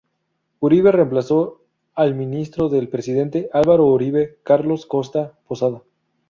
Uribe reemplazó al ministro del presidente Álvaro Uribe, Carlos Costa Posada.